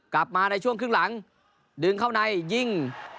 กลับมาในช่วงครึ่งหลังดึงเข้าในยิง